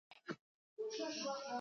د شکرقندي ریښه د څه لپاره وکاروم؟